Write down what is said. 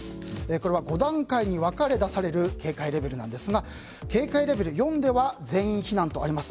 これは５段階に分かれて出される警戒レベルですが警戒レベル４では全員避難とあります。